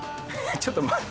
ちょっと待って。